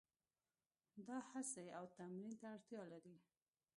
دا هڅې او تمرین ته اړتیا لري.